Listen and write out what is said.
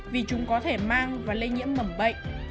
vì chúng có thể mang và lây nhiễm mầm bệnh